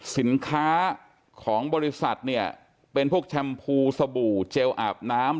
สินค้าของบริษัทเนี่ยเป็นพวกแชมพูสบู่เจลอาบน้ำ